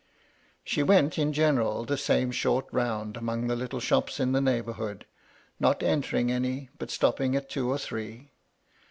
She went, in general, the same short round among the little shops in the neighbourhood ; not entering any, but stopping at two or three.